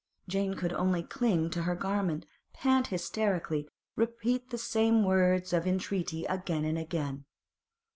Jane could only cling to her garment, pant hysterically, repeat the same words of entreaty again and again.